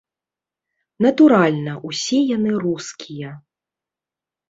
Натуральна, усе яны рускія.